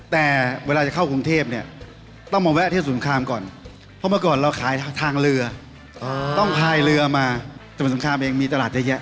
แต่เวลาจะเข้ากรุงเทพเนี่ยต้องมาแวะที่สงครามก่อนเพราะเมื่อก่อนเราขายทางเรือต้องพายเรือมาสมุทรสงครามเองมีตลาดเยอะแยะ